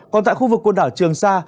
còn tại khu vực quần đảo trường sa